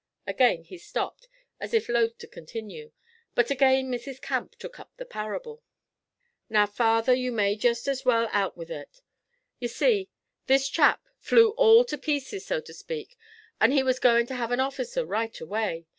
Again he stopped, as if loth to continue, but again Mrs. Camp took up the parable. 'Now, father, yer may jest as well out with it! Ye see, this chap flew all to pieces, so to speak, an' he was goin' to have a officer right away.